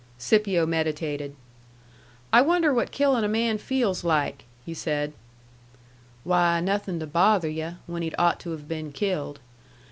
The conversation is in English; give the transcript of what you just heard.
Scipio meditated. "I wonder what killin' a man feels like?" he said. "Why, nothing to bother yu' when he'd ought to have been killed.